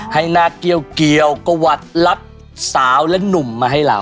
ให้น่าเกี่ยวกวัดรับสาวและหนุ่มมาให้เรา